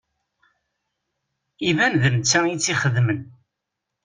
Iban d netta i tt-ixedmen.